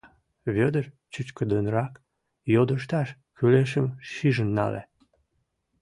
Вӧдыр чӱчкыдынрак йодышташ кӱлешым шижын нале.